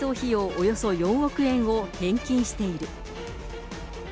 およそ４億円を返金している。